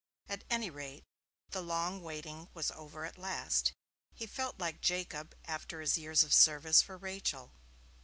At any rate, the long waiting was over at last. He felt like Jacob after his years of service for Rachel.